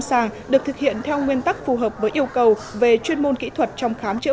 sàng được thực hiện theo nguyên tắc phù hợp với yêu cầu về chuyên môn kỹ thuật trong khám chữa